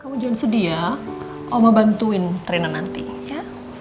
kamu jangan sedih ya oma bantuin reina nanti ya